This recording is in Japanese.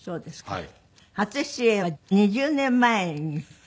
はい」